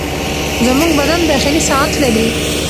زموږ بدن داخلي ساعت لري.